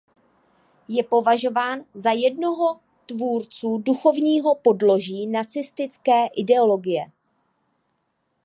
Je považován za jednoho tvůrců duchovního podloží nacistické ideologie.